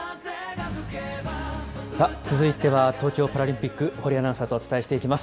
続いては東京パラリンピック、堀アナウンサーとお伝えしていきます。